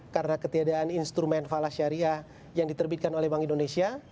karena ketiadaan instrumen falas syariah yang diterbitkan oleh bank indonesia